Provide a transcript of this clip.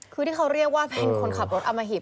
คือที่เขาเรียกว่าเป็นคนขับรถอมหิต